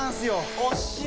惜しい！